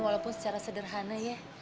walaupun secara sederhana ya